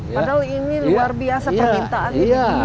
padahal ini luar biasa permintaan ini